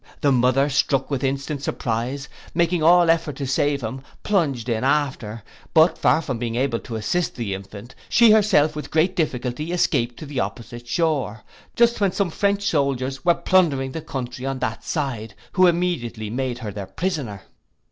The mother, struck with instant surprize, and making all effort to save him, plunged in after; but, far from being able to assist the infant, she herself with great difficulty escaped to the opposite shore, just when some French soldiers were plundering the country on that side, who immediately made her their prisoner.